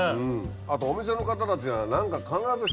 あとお店の方たちが何か必ず。